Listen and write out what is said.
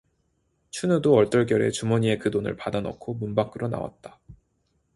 춘우도 얼떨결에 주머니에 그 돈을 받아 넣고 문 밖으로 나왔다.